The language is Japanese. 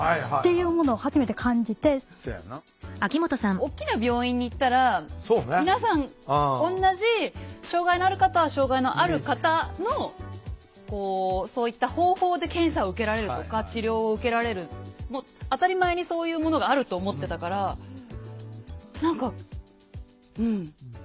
大きな病院に行ったら皆さん同じ障害のある方は障害のある方のそういった方法で検査を受けられるとか治療を受けられるもう当たり前にそういうものがあると思ってたから何かうん。